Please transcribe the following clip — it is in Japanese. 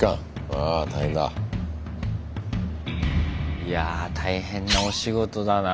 いや大変なお仕事だな。